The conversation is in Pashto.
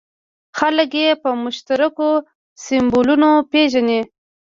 خلک یې په مشترکو سیمبولونو پېژني.